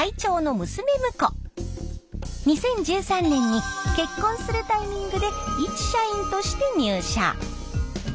２０１３年に結婚するタイミングで一社員として入社。